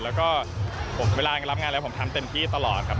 แล้วก็เวลารับงานแล้วผมทำเต็มที่ตลอดครับ